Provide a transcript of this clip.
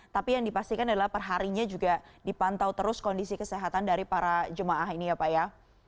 tapi yang dipastikan adalah perharinya juga dipantau terus kondisi kesehatan dari para jemaah ini ya pak ya